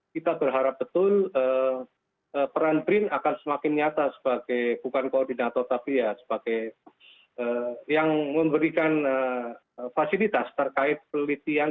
kita berharap betul peran brin akan semakin nyata sebagai bukan koordinator tapi ya sebagai yang memberikan fasilitas terkait pelitian